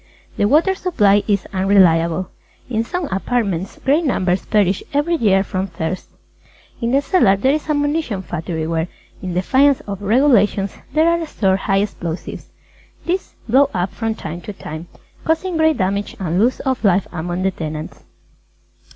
The Water Supply is unreliable. In some apartments, great numbers perish every year from thirst. In the cellar there is a munition factory where, in defiance of regulations, there are stored High Explosives. These blow up from time to time, causing great damage and loss of life among the tenants.